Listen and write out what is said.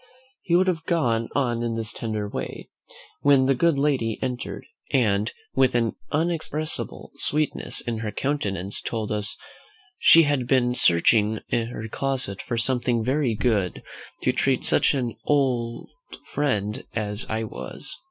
He would have gone on in this tender way, when the good lady entered, and, with an inexpressible sweetness in her countenance, told us "she had been searching her closet for something very good, to treat such an old friend as I was."